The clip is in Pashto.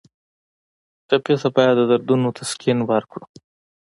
ټپي ته باید د دردونو تسکین ورکړو.